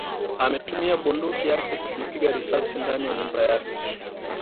ametumia bunduki yake kujipiga risasi ndani ya nyumba yake